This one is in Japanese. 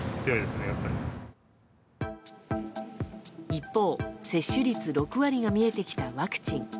一方、接種率６割が見えてきたワクチン。